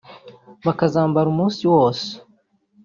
bakazambara umunsi wose